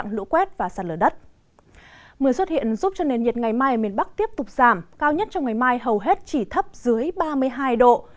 mưa xuất hiện giúp cho nền nhiệt ngày mai ở miền bắc tiếp tục giảm cao nhất trong ngày mai hầu hết chỉ thấp dưới ba mươi hai độ